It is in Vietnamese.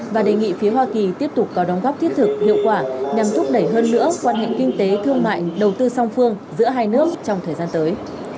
và đề nghị phía hoa kỳ tiếp tục có đóng góp thiết thực hiệu quả nhằm thúc đẩy hơn nữa quan hệ kinh tế thương mại đầu tư song phương giữa hai nước trong thời gian tới